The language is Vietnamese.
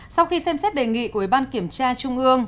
sau khi xem xét đề nghị của ủy ban kiểm tra trung ương